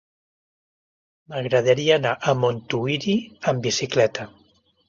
M'agradaria anar a Montuïri amb bicicleta.